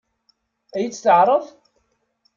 Ad iyi-tt-teɛṛeḍ?